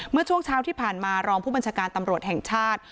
เมื่อช่วงเช้าที่ผ่านมารองผู้บัญชาการตำรวจแห่งชาติ